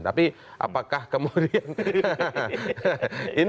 tapi apakah kemudian